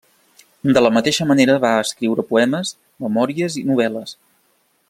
De la mateixa manera, va escriure poemes, memòries i novel·les.